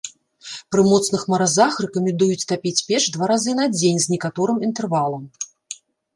Пры моцных маразах рэкамендуюць тапіць печ два разы на дзень з некаторым інтэрвалам.